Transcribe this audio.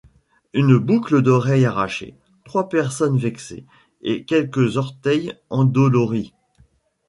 Une boucle d’oreille arrachée, trois personnes vexées et quelques orteils endoloris.